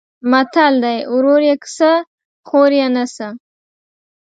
متل دی: ورور یې کسه خور یې نسه.